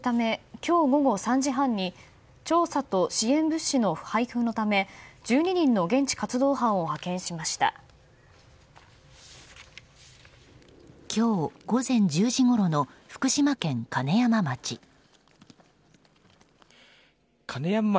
今日午前１０時ごろの福島県金山町。